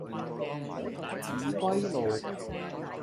紫葳路